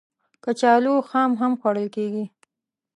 کچالو خام هم خوړل کېږي